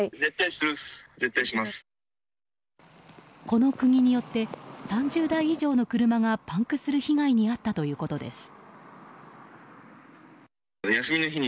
この釘によって３０台以上の車がパンクする被害に遭ったということです。